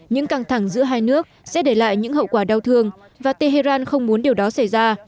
những căng thẳng giữa hai nước sẽ để lại những hậu quả đau thương và tehran không muốn điều đó xảy ra